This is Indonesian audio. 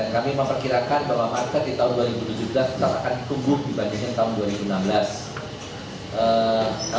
kami memperkirakan bahwa market di tahun dua ribu tujuh belas tetap akan tumbuh dibandingkan tahun dua ribu enam belas